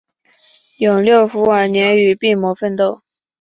永六辅晚年与病魔奋斗。